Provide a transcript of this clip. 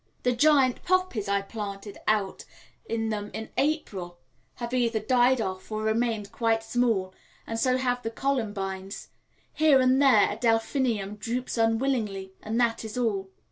The giant poppies I had planted out in them in April have either died off or remained quite small, and so have the columbines; here and there a delphinium droops unwillingly, and that is all.